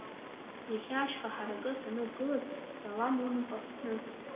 Иахьа ашьха ҳаракы санықәгылаз Салам умоуп, Аԥсны!